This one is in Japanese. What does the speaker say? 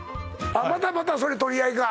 あまたまたそれ取り合いか